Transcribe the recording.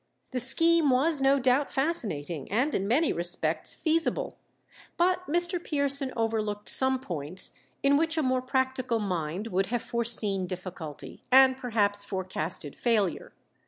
The scheme was no doubt fascinating, and in many respects feasible; but Mr. Pearson overlooked some points in which a more practical mind would have foreseen difficulty, and perhaps forecasted failure.